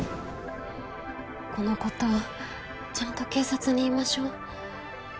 このことちゃんと警察に言いましょう。